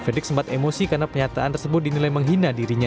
frederick sempat emosi karena penyataan tersebut dinilai menghina dirinya